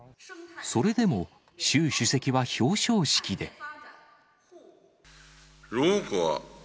それでも習主席は表彰式で。